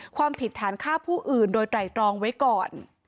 ความผิดฐานฆ่าผู้อื่นโดยไตรตรองไว้ก่อน